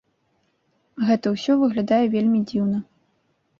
Гэта ўсё выглядае вельмі дзіўна.